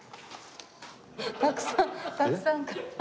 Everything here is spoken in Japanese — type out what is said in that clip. たくさんたくさん買いました。